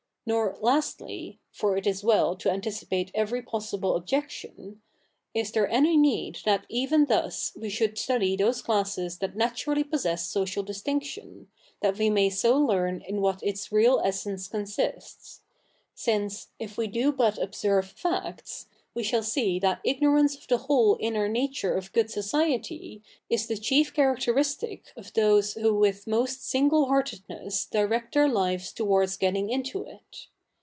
Nor lastly {for it is well to a?iticipate every possible objection), is there any ?ieed that eve?i thus we should study those classes that naturally possess social disti miction, that we may so learn in what its real essence cofisists ; since, if zve do but observe facts, we shall see that ignorance of the zvhole in?ier ?iature of good society is the chief characteristic of those who with most single heartedfiess direct their lives towa? ds getting i?ito it.